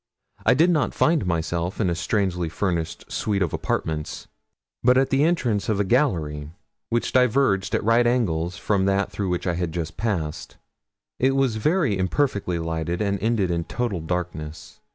I did not find myself in a strangely furnished suite of apartments, but at the entrance of a gallery, which diverged at right angles from that through which I had just passed; it was very imperfectly lighted, and ended in total darkness.